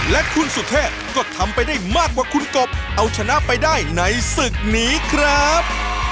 และคุณสุเทพก็ทำไปได้มากกว่าคุณกบเอาชนะไปได้ในศึกนี้ครับ